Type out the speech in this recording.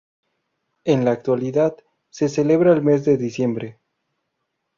En la actualidad se celebra el mes de diciembre.